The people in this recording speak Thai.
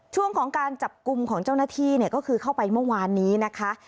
ช่วงของการจับกลุ่มของเจ้าหน้าที่เนี่ยก็คือเข้าไปเมื่อวานนี้นะคะ